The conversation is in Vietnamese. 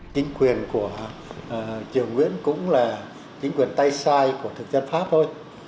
chính quyền của triều nguyễn cũng là chính quyền tay sai của thực dân pháp thôi